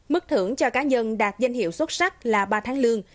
mức thưởng cho cá nhân đạt danh hiệu xuất sắc là ba tháng lương